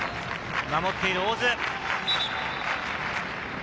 守っている、大津。